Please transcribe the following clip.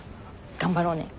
頑張ろうね。